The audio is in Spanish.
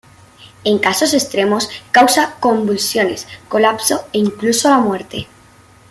En casos extremos, causa convulsiones, colapso e incluso la muerte.